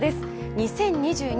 ２０２２